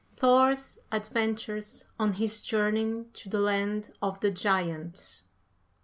THOR'S ADVENTURES ON HIS JOURNEY TO THE LAND OF THE GIANTS.